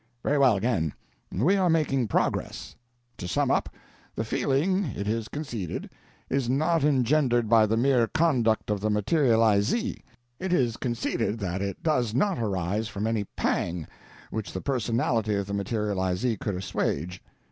"Very well, again; we are making progress. To sum up: The feeling, it is conceded, is not engendered by the mere conduct of the materializee; it is conceded that it does not arise from any pang which the personality of the materializee could assuage.